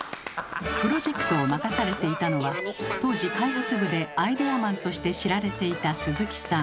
プロジェクトを任されていたのは当時開発部でアイデアマンとして知られていた鈴木さん。